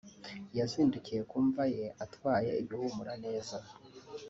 yazindukiye ku mva ye atwaye ibihumura neza